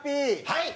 はい。